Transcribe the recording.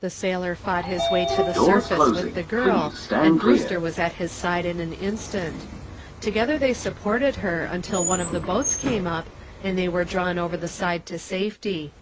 The sailor fought his way to the surface with the girl, and Brewster was at his side in an instant. Together they supported her until one of the boats came up, and they were drawn over the side to safety.